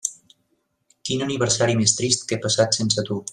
Quin aniversari més trist que he passat sense tu.